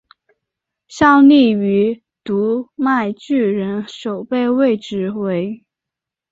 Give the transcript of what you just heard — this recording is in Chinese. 效力于读卖巨人守备位置为。